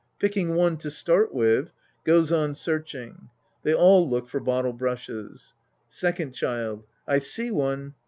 Picking one to start with — {Goes on searching. They all look for bottle brushes^ Second Child. I see one.